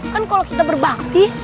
kan kalau kita berbakti